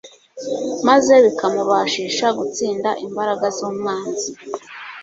maze bikamubashisha gutsinda imbaraga z'umwanzi.